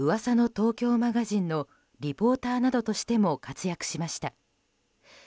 東京マガジン」のリポーターなどとしても活躍しました。